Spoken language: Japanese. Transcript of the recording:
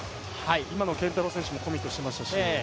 今の健太郎選手もコミットしてますし。